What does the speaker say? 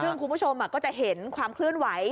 ซึ่งคุณผู้ชมก็จะเห็นความเคลื่อนไหว